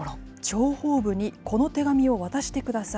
諜報部にこの手紙を渡してください。